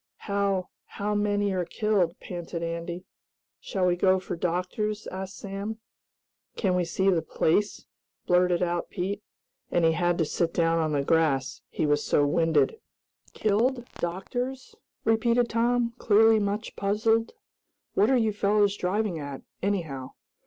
"How how many are killed?" panted Andy. "Shall we go for doctors?" asked Sam. "Can we see the place?" blurted out Pete, and he had to sit down on the grass, he was so winded. "Killed? Doctors?" repeated Tom, clearly much puzzled. "What are you fellows driving at, anyhow?"